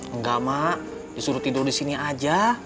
enggak mak disuruh tidur di sini aja